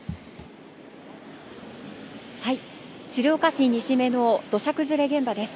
鶴岡市西目の土砂崩れ現場です。